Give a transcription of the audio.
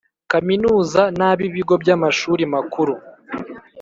Kaminuza n ab ibigo by amashuri makuru